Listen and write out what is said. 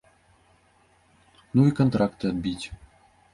Ну і кантракты адбіць.